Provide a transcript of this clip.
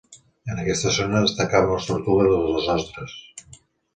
En aquesta zona destacaven les tortugues i les ostres.